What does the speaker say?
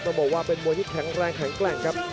ต้องบอกว่าเป็นมวยที่แข็งแรงแข็งแกร่งครับ